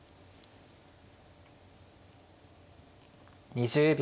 ２０秒。